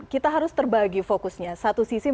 kita harus terbagi fokusnya satu sisi